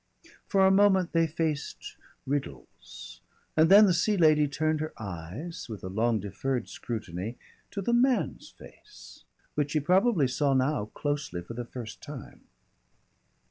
For a moment they faced riddles, and then the Sea Lady turned her eyes with a long deferred scrutiny to the man's face, which she probably saw now closely for the first time.